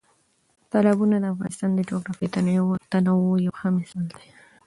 تالابونه د افغانستان د جغرافیوي تنوع یو ښه مثال دی.